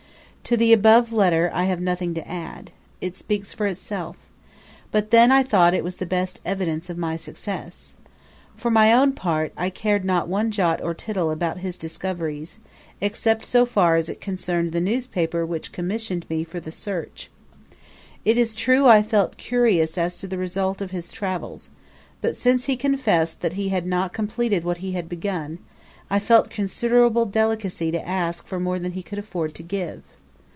To the above letter I have nothing to add it speaks for itself; but I then thought it was the best evidence of my success. For my own part, I cared not one jot or tittle about his discoveries, except so far as it concerned the newspaper which commissioned me for the "search." It is true I felt curious as to the result of his travels; but, since he confessed that he had not completed what he had begun, I felt considerable delicacy to ask for more than he could afford to give.